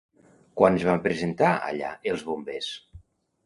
Quan es van presentar allà, els bombers?